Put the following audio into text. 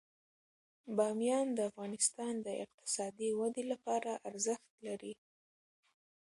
بامیان د افغانستان د اقتصادي ودې لپاره ارزښت لري.